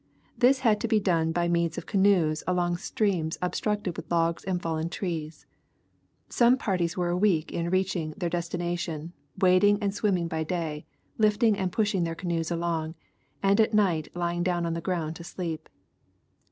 This had to be done hj means of canoes along streams obstructed with logs and fallen trees. Some parties were a week in reaching their des tination, wading and swimming by day, lifting and pushing their canoes along, and at night lying down on the ground to sleep.